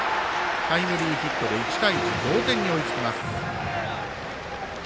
タイムリーヒットで１対１、同点に追いつきます。